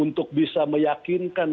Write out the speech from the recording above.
untuk bisa meyakinkan